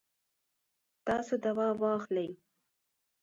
تاسو دوا واخلئ